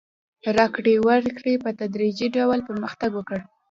راکړې ورکړې په تدریجي ډول پرمختګ وکړ.